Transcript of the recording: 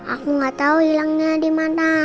aku gak tau hilangnya dimana